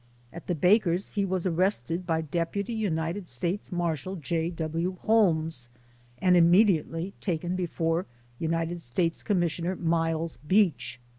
At the baker's, he was arrested by Deputy United States Marshal J. W. Holmes, and immediately ta ken before United States Commissioner Miles Beach.